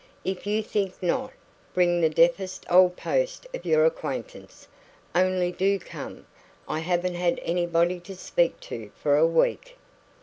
"If you think not, bring the deafest old post of your acquaintance. Only DO come. I haven't had anybody to speak to for a week."